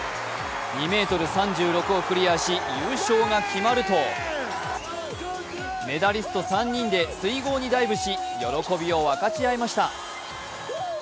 ２ｍ３６をクリアし、優勝が決まると、メダリスト３人で水濠にダイブし喜びを分かち合いました。